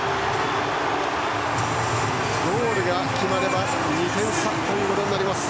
ゴールが決まれば２点差ということになります。